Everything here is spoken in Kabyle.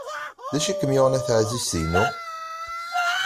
D acu i kem-yuɣen a taɛzizt-inu?